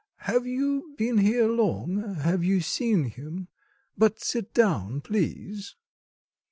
Have you been here long? Have you seen him? But sit down, please."